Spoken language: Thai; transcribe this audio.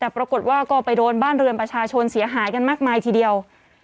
แต่ปรากฏว่าก็ไปโดนบ้านเรือนประชาชนเสียหายกันมากมายทีเดียว